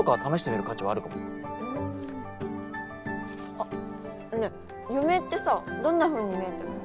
あっねぇ余命ってさどんなふうに見えてるの？